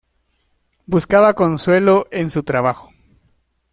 Buscaba consuelo en su trabajo.